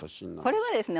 これはですね